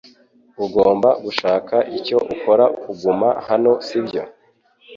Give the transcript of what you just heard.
Ugomba gushaka icyo ukora kuguma hano sibyo